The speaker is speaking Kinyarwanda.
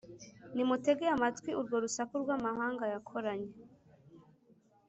Nimutege amatwi urwo rusaku rw’amahanga yakoranye: